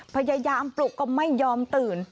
พยายามปลุกก็ไม่ยอมตื่น